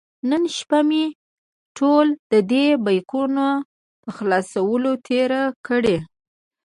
نن شپه مې ټوله د دې بیکونو په خلاصولو تېره کړې.